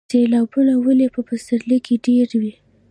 سیلابونه ولې په پسرلي کې ډیر وي؟